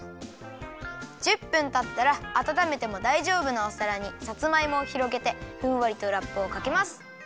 １０分たったらあたためてもだいじょうぶなおさらにさつまいもをひろげてふんわりとラップをかけます。